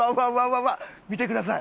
見てください。